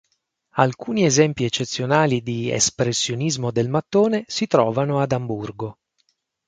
Alcuni esempi eccezionali di Espressionismo del mattone si trovano ad Amburgo.